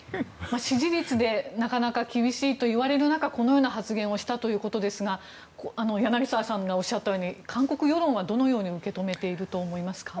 支持率でなかなか厳しいといわれる中このような発言をしたということですが柳澤さんがおっしゃったように韓国世論は、どのように受け止めていると思いますか？